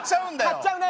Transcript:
買っちゃうね。